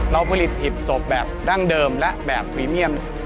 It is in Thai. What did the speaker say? เราผลิตหีบศพแบบดั้งเดิมและแบบพรีเมียม